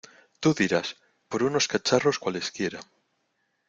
¡Tú dirás! por unos cacharros cualesquiera.